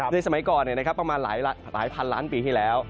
สมัยก่อนประมาณหลายพันล้านปีที่แล้ว